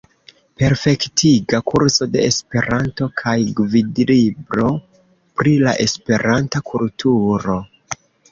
Perfektiga kurso de Esperanto kaj Gvidlibro pri la Esperanta kulturo.